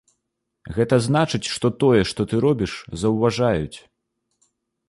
Гэта значыць, што тое, што ты робіш, заўважаюць.